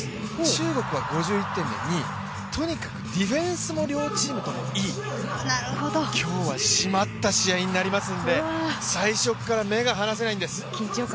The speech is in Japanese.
中国は５１点で２位、とにかくディフェンスも両チームともいい今日は締まった試合になりますので最初から目が離せないんです。